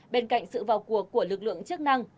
bên cạnh sự vào cuộc của lực lượng chức năng